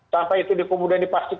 sampai itu dikemudian dipastikan